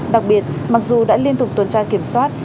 đặc biệt mặc dù đã liên tục tuần tra kiểm soát